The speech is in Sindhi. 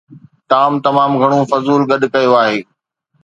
ٽام تمام گهڻو فضول گڏ ڪيو آهي.